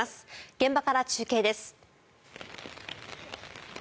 現場から中継です。